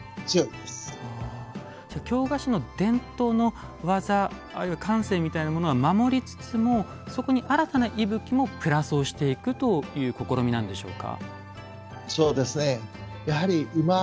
京菓子の伝統の技あるいは感性みたいなものは守りつつもそこに新たな息吹もプラスをしていくという試みなんでしょうか？